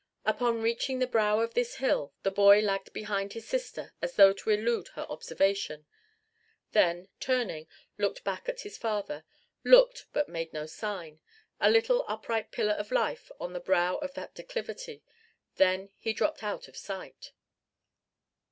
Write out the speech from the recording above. Upon reaching the brow of this hill, the boy lagged behind his sister as though to elude her observation; then turning looked back at his father looked but made no sign: a little upright pillar of life on the brow of that declivity: then he dropped out of sight.